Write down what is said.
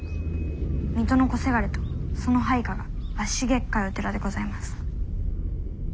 水戸の小せがれとその配下が足しげく通う寺でございます」。